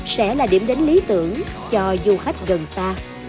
sẽ là điểm đến lý tưởng cho du khách gần xa